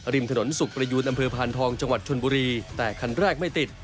ริมถนนสุขประยูนอำเภอพานทองจังหวัดชนบุรีแต่คันแรกไม่ติด